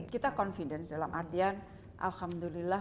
kita confidence dalam artian alhamdulillah